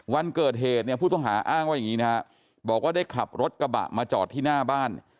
วันเกิดเหตุเนี่ยผู้ต้องหาอ้างว่าอย่างนี้นะฮะบอกว่าได้ขับรถกระบะมาจอดที่หน้าบ้าน